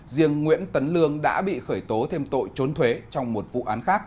riêng nguyễn tấn lương đã bị khởi tố thêm tội trốn thuế trong một vụ án khác